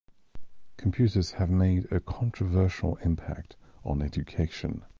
Computers have made a controversial impact on education.